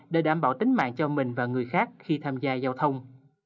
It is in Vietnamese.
để đảm bảo tính mạng cho mình và người khác khi tham gia giao thông